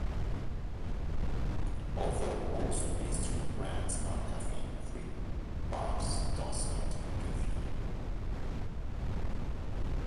Although most mainstream brands are caffeine-free, Barq's does contain caffeine.